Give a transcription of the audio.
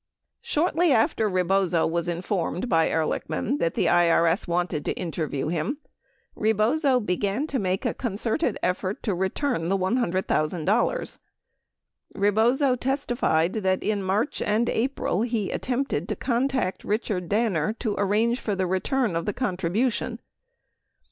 9 Shortly after Rebozo was informed by Ehrlichman that the IRS wanted to interview him, Rebozo began to make a concerted effort to return the $100,000. Rebozo testified that in March and April he at tempted to contact Richard Danner to arrange for the return of the contribution.